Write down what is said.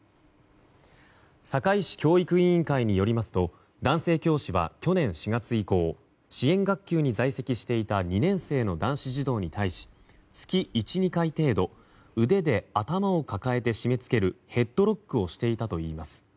堺市教育委員会によりますと男性教師は去年４月以降支援学級に在籍していた２年生の男子児童に対し月１２回程度腕で頭を抱えて締め付けるヘッドロックをしていたといいます。